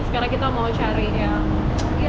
sekarang kita mau cari yang